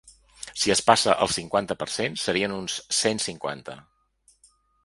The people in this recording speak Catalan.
Si es passa al cinquanta per cent, serien uns cent cinquanta.